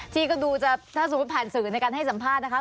ที่ก็ดูจะถ้าสมมุติผ่านสื่อในการให้สัมภาษณ์นะคะ